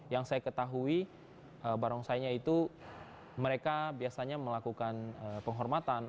yang saya ketahui barongsainya itu mereka biasanya melakukan penghormatan